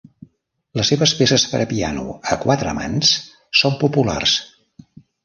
Les seves peces per a piano a quatre mans són populars.